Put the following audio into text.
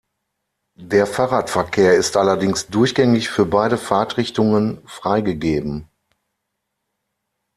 Der Fahrradverkehr ist allerdings durchgängig für beide Fahrtrichtungen freigegeben.